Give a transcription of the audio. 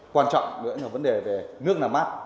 quan trọng nữa là vấn đề về nước làm mát